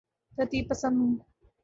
ترتیب پسند ہوں